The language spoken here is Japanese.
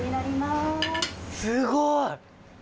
すごい。